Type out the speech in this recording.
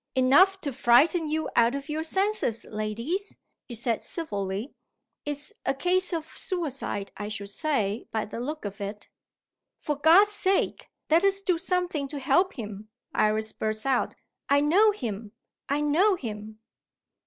"Enough to frighten you out of your senses, ladies," he said civilly. "It's a case of suicide, I should say, by the look of it." "For God's sake, let us do something to help him!" Iris burst out. "I know him! I know him!"